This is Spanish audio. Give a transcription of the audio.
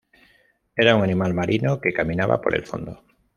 Era un animal marino que caminaba por el fondo.